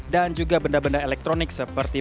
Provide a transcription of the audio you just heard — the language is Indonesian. dan juga benda benda elektronik seperti